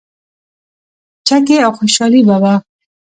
چکې او خوشحالي به وه.